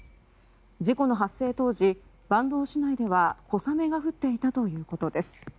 事故の発生当時、坂東市内では小雨が降っていたということです。